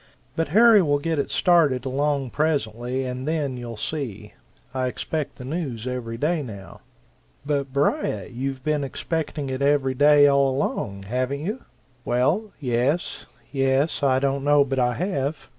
But Harry will get it started along presently, and then you'll see! I expect the news every day now." "But Beriah, you've been expecting it every day, all along, haven't you?" "Well, yes; yes I don't know but I have.